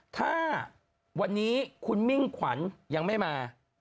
ถ้าวันนี้คุณมิ่งขวัญยังไม่มา